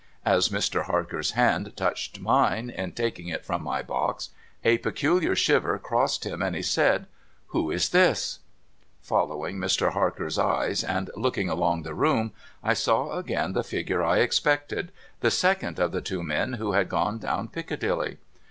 As Mr. Marker's hand touched mine in taking it from my box, a pccuHar shiver crossed him, and he said, ' Who is this ?' Following Mr. Marker's eyes, and looking along the room, I saw again the figure I expected, — the second of the two men who had gone down Piccadilly.